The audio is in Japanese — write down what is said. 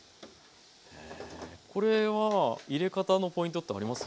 これは入れ方のポイントってあります？